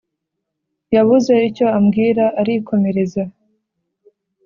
yabuze icyo ambwira arikomereza